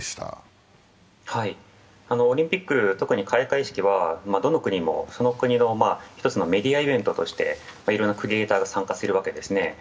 オリンピック、特に開会式はどの国も、その国の１つのメディアイベントとしていろんな国が参加するわけですね。